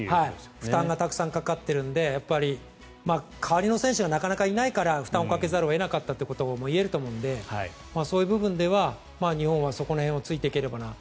負担がたくさんかかってるので代わりの選手がなかなかいないから負担をかけざるを得なかったということも言えると思うのでそういう部分では、日本はそこの辺を突いていければなと。